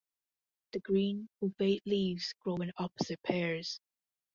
The green, ovate leaves grow in opposite pairs.